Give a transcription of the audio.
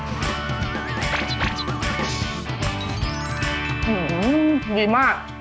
อื้อหือดีมาก